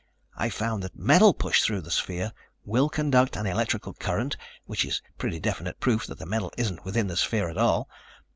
I found that metal pushed through the sphere will conduct an electrical current, which is pretty definite proof that the metal isn't within the sphere at all.